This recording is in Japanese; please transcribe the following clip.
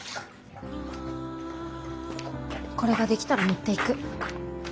これが出来たら持っていく。